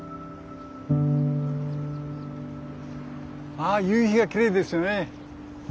ああ夕日がきれいですよね。